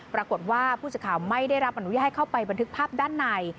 ปรากฏว่าผู้สื่อข่าวไม่ได้รับอนุญาตเข้าไปบันทึกภาพด้านใน